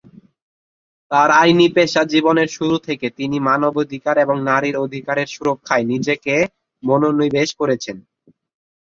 তার আইনি পেশা জীবনের শুরু থেকে, তিনি মানবাধিকার এবং নারীর অধিকারের সুরক্ষায় নিজেকে মনোনিবেশ করেছেন।